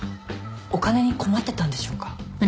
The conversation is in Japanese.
お金に困ってたんでしょうか？